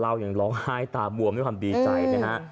ยังร้องไห้ตาบวมด้วยความดีใจนะฮะ